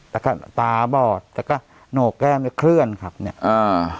แต่ก็ตาบอดแต่ก็โหนกแก้มจะเคลื่อนครับเนี่ยอ่า